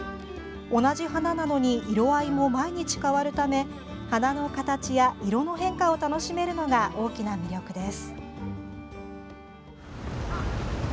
同じ花なのに色あいも毎日変わるため花の形や色の変化を楽しめるのが大きな魅力です。